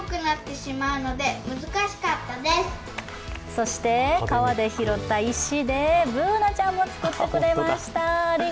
そして、川で拾った石でＢｏｏｎａちゃんも作ってくれました。